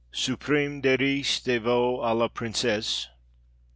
| Suprême de Ris de Veau à la Princesse.